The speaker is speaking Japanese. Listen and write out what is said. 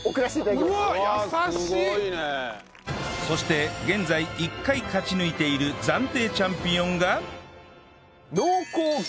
そして現在１回勝ち抜いている暫定チャンピオンが